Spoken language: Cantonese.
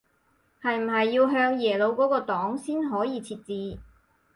係唔係要向耶魯嗰個檔先可以設置